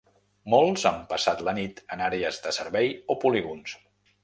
Molts han passat la nit en àrees de servei o polígons.